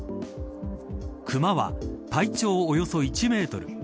クマは、体長およそ１メートル。